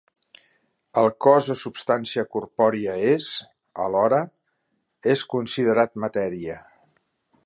El cos o substància corpòria és, alhora, és considerat matèria.